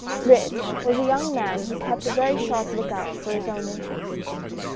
rich, was a young man who kept a very sharp lookout for his own interests.